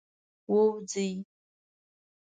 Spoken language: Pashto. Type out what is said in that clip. ووځی.